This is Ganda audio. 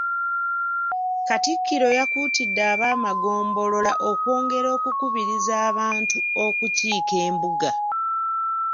Katikkiro yakuutidde ab'amagombolola okwongera okukubiriza abantu okukiika embuga.